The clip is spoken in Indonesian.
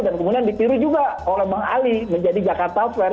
dan kemudian dipiru juga oleh bang ali menjadi jakarta square